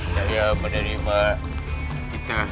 saya menerima kita